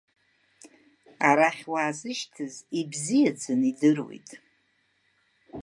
Арахь уаазышьҭыз ибзиаӡаны идыруеит…